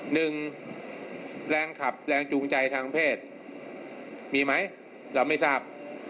หนึ่งแรงขับแรงจูงใจทางเพศมีไหมเราไม่ทราบ